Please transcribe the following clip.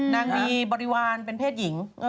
นางมีบริวารเป็นเพศหญิง